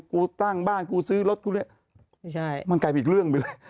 กูตั้งบ้านกูซื้อรถกูด้วยไม่ใช่มันกลายเป็นอีกเรื่องไปเลย